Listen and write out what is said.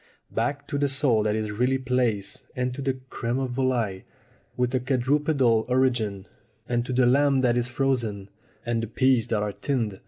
Back to the sole that is really plaice, and to the crime de volatile with a quadrupedal origin, and to the lamb that is frozen, and the peas that are tinned.